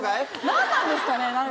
何なんですかね？